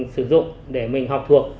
sử dụng để mình học thuộc